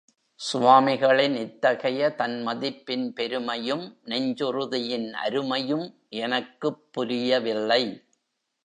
சுவாமிகளின் இத்தகைய தன் மதிப்பின் பெருமையும், நெஞ்சுறுதியின் அருமையும் எனக்குப் புரியவில்லை.